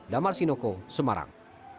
damar sinoko semarang